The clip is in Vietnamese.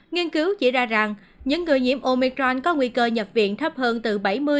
nghiên cứu chỉ ra rằng những người nhiễm omicron có nguy cơ nhập viện thấp hơn từ bảy mươi